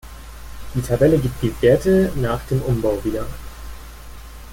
Die Tabelle gibt die Werte nach dem Umbau wieder.